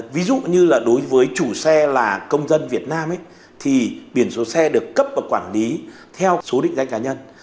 ví dụ như là đối với chủ xe là công dân việt nam thì biển số xe được cấp và quản lý theo số định danh cá nhân